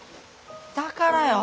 だからよ。